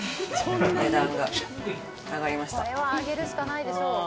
これは上げるしかないでしょう。